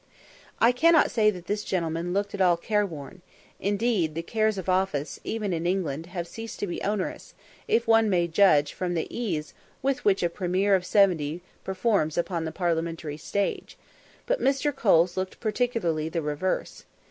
I cannot say that this gentleman looked at all careworn; indeed the cares of office, even in England, have ceased to be onerous, if one may judge from the ease with which a premier of seventy performs upon the parliamentary stage; but Mr. Coles looked particularly the reverse.